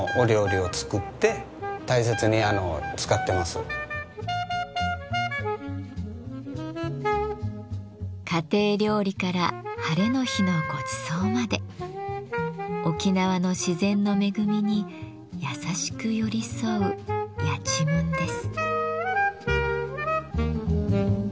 陶器家庭料理からハレの日のごちそうまで沖縄の自然の恵みに優しく寄り添うやちむんです。